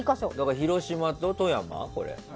広島と富山？